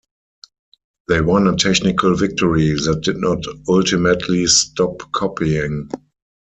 They won a technical victory that did not ultimately stop copying.